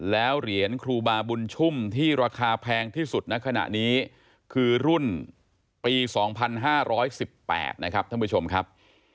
แล้วเหรียญครูบาบุญชุ่มที่ราคาแพงที่สุดในขณะนี้คือรุ่นปี๒๕๑๘นะครับท่านผู้ชมครับ